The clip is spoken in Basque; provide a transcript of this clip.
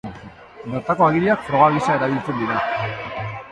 Bertako agiriak froga gisa erabiltzen dira.